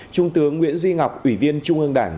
trung tướng nguyễn duy ngọc ủy viên trung ương đảng